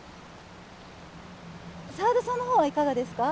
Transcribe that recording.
沢田さんの方はいかがですか？